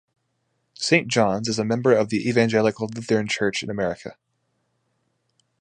Saint John's is a member of the Evangelical Lutheran Church in America.